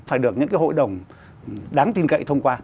phải được những cái hội đồng đáng tin cậy thông qua